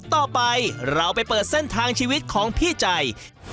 ต่อไปเราไปเปิดเส้นทางชีวิตของพี่ใจ